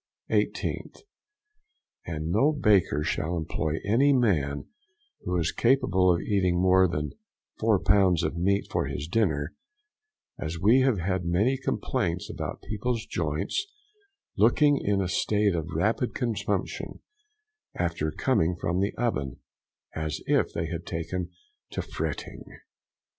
18th. And no baker shall employ any man who is capable of eating more than four pounds of meat for his dinner, as we have had many complaints about people's joints looking in a state of rapid consumption after coming from the oven, as if they had taken to fretting.